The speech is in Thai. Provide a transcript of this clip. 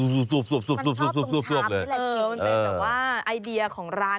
ซูบซูบซูบซูบซูบเลยเออมันเป็นแบบว่าไอเดียของร้าน